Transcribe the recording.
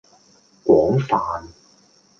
廣泛